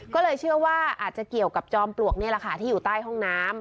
ก็เลยเชื่อว่าอาจจะเกี่ยวกับจอมปลวกนี่แหละค่ะที่อยู่ใต้ห้องน้ำ